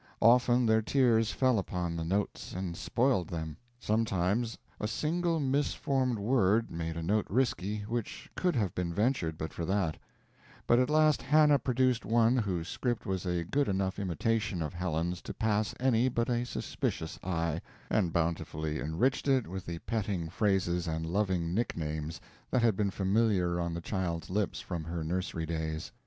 Often their tears fell upon the notes and spoiled them; sometimes a single misformed word made a note risky which could have been ventured but for that; but at last Hannah produced one whose script was a good enough imitation of Helen's to pass any but a suspicious eye, and bountifully enriched it with the petting phrases and loving nicknames that had been familiar on the child's lips from her nursery days.